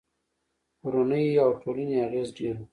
کورنیو او ټولنې اغېز ډېر و.